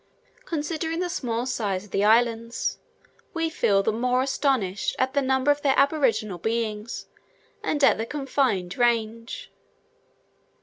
Considering the small size of the islands, we feel the more astonished at the number of their aboriginal beings, and at their confined range.